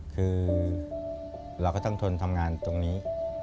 คือเราก็ต้องทนทำงานตรงนี้